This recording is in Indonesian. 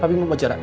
papi mau bicara